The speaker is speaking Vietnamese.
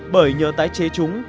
bởi nhờ tái chế chúng